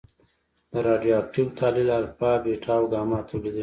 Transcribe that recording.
د رادیواکتیو تحلیل الفا، بیټا او ګاما تولیدوي.